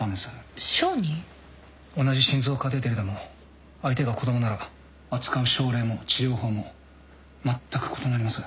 同じ心臓カテーテルでも相手が子供なら扱う症例も治療法もまったく異なります。